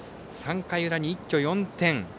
３回裏に一挙４点。